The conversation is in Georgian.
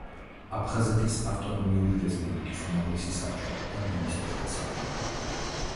აფხაზეთის ავტონომიური რესპუბლიკის უმაღლესი საბჭო და მინისტრთა საბჭო.